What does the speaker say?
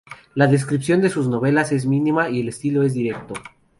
La descripción en sus novelas es mínima y el estilo es directo.